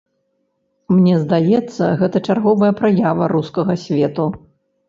Мне здаецца, гэта чарговая праява рускага свету.